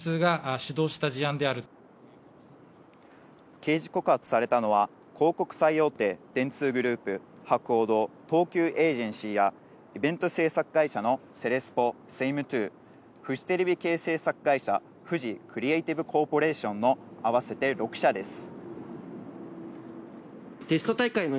刑事告発されたのは広告最大手・電通グループ、博報堂、東急エージェンシーや、イベント制作会社のセレスポ、セイムトゥー、フジテレビ系制作会社フジクリエイティブコーポレーションの合わせて６社です。